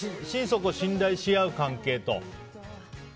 心底、信頼し合う関係と。